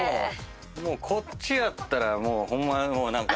こっちやったらもうホンマ何か。